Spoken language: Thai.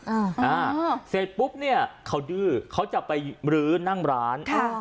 อ่าอ่าเสร็จปุ๊บเนี้ยเขาดื้อเขาจะไปมรื้อนั่งร้านค่ะ